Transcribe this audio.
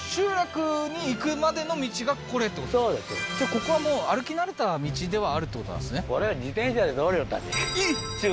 ここはもう歩き慣れた道ではあるってことなんですねえっ？